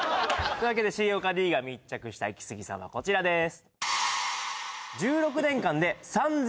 というわけで重岡Ｄが密着したイキスギさんはこちらです・